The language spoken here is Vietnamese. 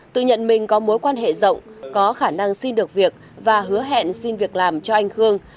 tự nhận mình có mối quan hệ rộng có khả năng xin được việc và hứa hẹn xin việc làm cho anh khương